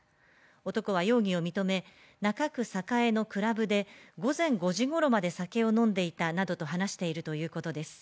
男は容疑を認め中区栄のクラブで午前５時ごろまで酒を飲んでいたなどと話しているということです。